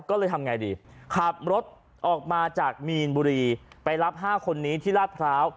ก็เลยทำไงดีขับรถออกมาจากมีนบุรีไปรับ๕คนนี้ที่ลาดพร้าว